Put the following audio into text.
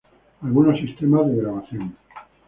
Algunos sistemas de grabación